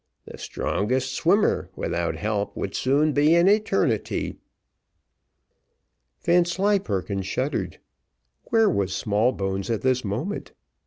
The strongest swimmer, without help, would be soon in eternity." Vanslyperken shuddered. Where was Smallbones at this moment?